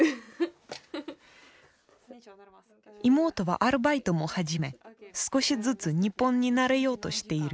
妹はアルバイトも始め少しずつ日本に慣れようとしている。